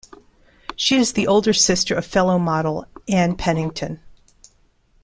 She is the older sister of fellow model Ann Pennington.